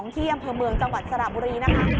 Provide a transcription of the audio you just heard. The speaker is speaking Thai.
ที่อำเภอเมืองจังหวัดสระบุรีนะคะ